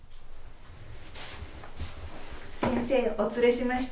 先生、お連れしました。